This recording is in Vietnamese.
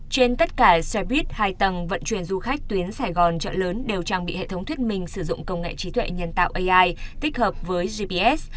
trên tất cả xe buýt hai tầng vận chuyển du khách tuyến sài gòn trợ lớn đều trang bị hệ thống thuyết minh sử dụng công nghệ trí tuệ nhân tạo ai thích hợp với gps